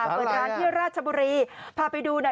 เปิดร้านที่ราชบุรีพาไปดูหน่อย